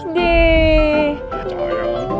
ya udah berangkat sekarang